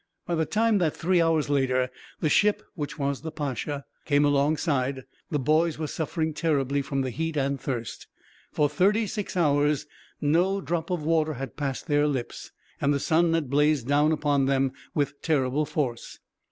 By the time that, three hours later, the ship, which was the Pacha, came alongside, the boys were suffering terribly from the heat and thirst; for thirty six hours no drop of water had passed their lips, and the sun had blazed down upon them with terrible force.